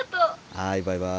はいバイバイ。